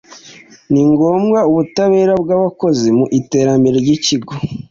ni ngombwa ubutabera bw’abakozi mu iterambere ry’ikigo